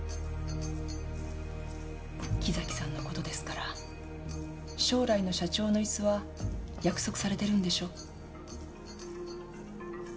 木崎さんのことですから将来の社長の椅子は約束されてるんでしょ？